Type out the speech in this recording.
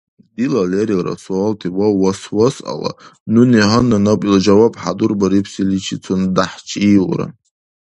Дила лерилра суалти ва васвасъала нуни гьанна наб ил жаваб хӀядурбарибсиличицун дяхӀчииулра.